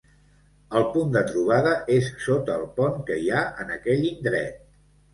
El punt de trobada és sota el pont que hi ha en aquell indret.